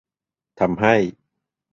ทำให้